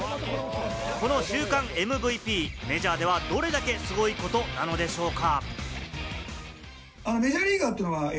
この週間ＭＶＰ、メジャーではどれだけすごいことなのでしょうか？